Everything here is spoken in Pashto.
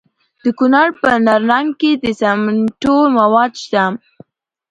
د کونړ په نرنګ کې د سمنټو مواد شته.